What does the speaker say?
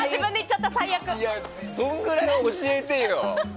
そのぐらい教えてよ。